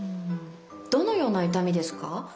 どのような痛みですか？